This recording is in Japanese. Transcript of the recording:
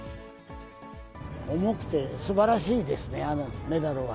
重くてすばらしいですね、あのメダルは。